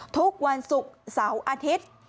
ทุกวันศุกร์เสาร์อาทิตย์